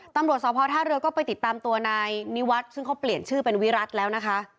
ตำรวจสพท่าเรือก็ไปติดตามตัวนายนิวัฒน์ซึ่งเขาเปลี่ยนชื่อเป็นวิรัติแล้วนะคะ